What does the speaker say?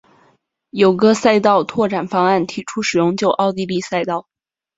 有个赛道扩展方案提出使用旧奥地利赛道。